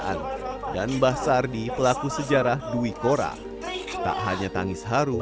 indonesia adalah seluruh bangsa